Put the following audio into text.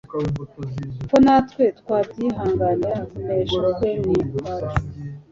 ko natwe twabyihanganira Kunesha kwe ni ukwacu